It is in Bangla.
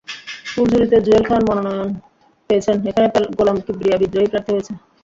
ফুলঝুরিতে জুয়েল খান মনোনয়ন পেয়েছেন, এখানে গোলাম কিবরিয়া বিদ্রোহী প্রার্থী হয়েছেন।